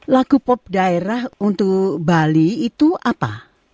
laku pop daerah untuk bali itu apa